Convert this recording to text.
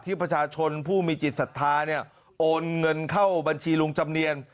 ประชาชนผู้มีจิตศรัทธาเนี่ยโอนเงินเข้าบัญชีลุงจำเนียน